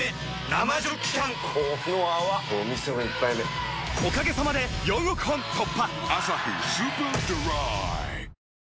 生ジョッキ缶この泡これお店の一杯目おかげさまで４億本突破！